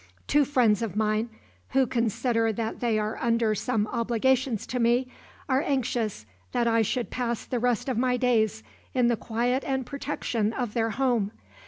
Two friends of mine, who consider that they are under some obligations to me, are anxious that I should pass the rest of my days in the quiet and protection of their home.